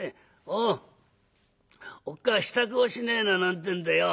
おうおっかあ支度をしねえな』なんてんでよ。